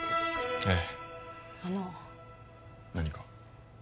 ええあの何か？